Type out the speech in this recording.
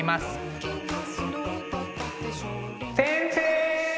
先生！